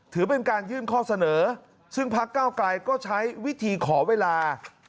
ถือเป็นการยื่นข้อเสนอซึ่งพักเก้าไกลก็ใช้วิธีขอเวลา